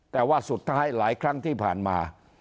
แต่ว่าสุดท้ายหลายครั้งที่ผ่านมา